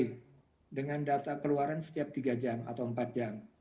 jadi kita bisa mengeluarkan setiap tiga jam atau empat jam